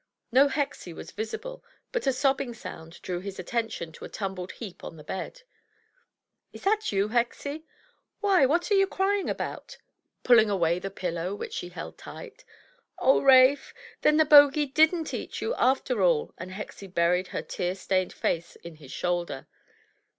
No Hexie was visible, but a sobbing sound drew his attention to a tumbled heap on the bed. "Is that you, Hexie? Why, what are you crying about?" pulling away the pillow, which she held tight. "Oh, Rafe! Then the Bogie didn't eat you after all!" And Hexie buried her tear stained face in his shoulder.